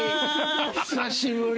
久しぶり。